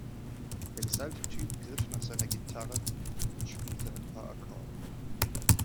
Der gestylte Typ griff nach seiner Gitarre und spielte ein paar Akkorde.